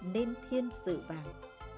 nên thiên sự vàng